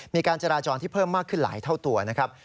มีการจราจรที่เพิ่มมากขึ้นหลายเท่าตัวนะครับ